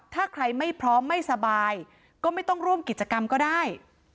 ถ้าใครไม่พร้อมไม่สบายก็ไม่ต้องร่วมกิจกรรมก็ได้